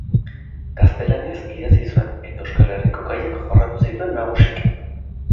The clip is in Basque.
Gaztelaniaz idatzi zuen eta Euskal Herriko gaiak jorratu zituen nagusiki.